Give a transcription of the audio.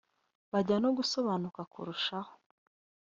Byajya no gusobanuka kurushaho